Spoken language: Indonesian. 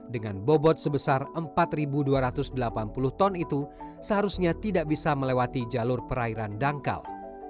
dengan bobot sebesar empat dua ratus delapan puluh ton itu seharusnya tidak bisa melewati jalur perairan dangkal